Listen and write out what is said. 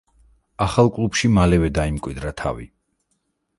ახალ კლუბში მალევე დაიმკვიდრა თავი.